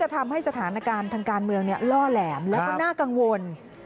ทำให้สถานการณ์ทางการเมืองล่อแหลมแล้วก็น่ากังวล